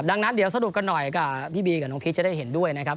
ดังนั้นเดี๋ยวสรุปกันหน่อยกับพี่บีกับน้องพีชจะได้เห็นด้วยนะครับ